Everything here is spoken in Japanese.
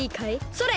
それ！